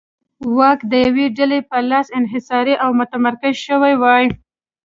واک د یوې ډلې په لاس انحصار او متمرکز شوی وای.